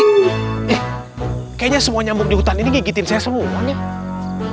eh kayaknya semua nyamuk di hutan ini ngigitin saya semuanya